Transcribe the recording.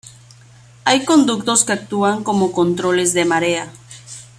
Hay conductos que actúan como controles de marea.